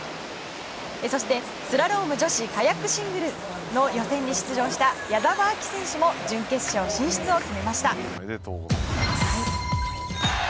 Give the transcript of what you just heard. そして、スラローム女子カヤックシングルの予選に出場した矢澤亜季選手も準決勝進出を決めました。